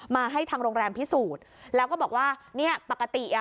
ให้ทางโรงแรมพิสูจน์แล้วก็บอกว่าเนี้ยปกติอ่ะ